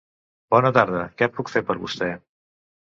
Bona tarda, què puc fer per vostè?